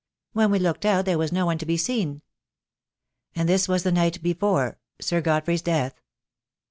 When we looked out there was no one to be seen." "And this was the night before — Sir Godfrey's death?